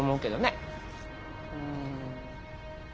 うん。